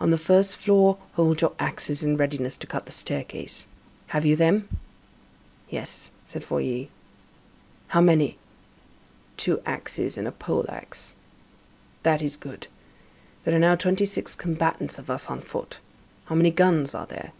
"On the first floor, hold your axes in readiness to cut the staircase. Have you them?" "Yes," said Feuilly. "How many?" "Two axes and a pole axe." "That is good. There are now twenty six combatants of us on foot. How many guns are there?"